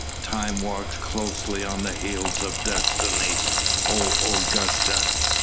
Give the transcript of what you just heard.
"Time walks closely on the heels of destiny, O Augusta!"